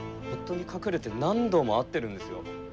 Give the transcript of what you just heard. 夫に隠れて何度も会ってるんですよ？